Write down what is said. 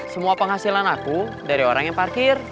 semua penghasilan aku dari orang yang parkir